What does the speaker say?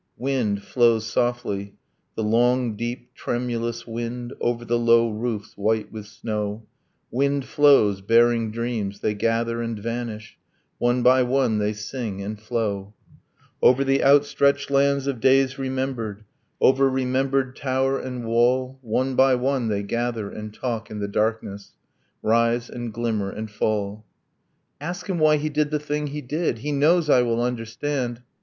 ... Wind flows softly, the long deep tremulous wind, Over the low roofs white with snow ... Wind flows, bearing dreams; they gather and vanish, One by one they sing and flow; Over the outstretched lands of days remembered, Over remembered tower and wall, One by one they gather and talk in the darkness, Rise and glimmer and fall ... 'Ask him why he did the thing he did! He knows I will understand!'